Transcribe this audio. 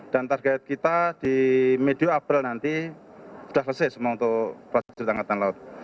dan target kita di mediapel nanti sudah selesai semua untuk prajurit angkatan laut